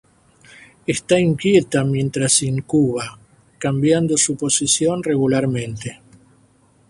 Está inquieta mientras incuba, cambiando su posición regularmente.